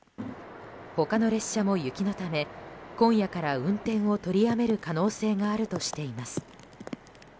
他の列車も雪のため今夜から運転を取りやめる可能性があるとしています。